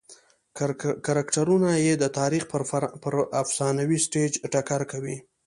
کرکټرونه یې د تاریخ پر افسانوي سټېج ټکر کوي.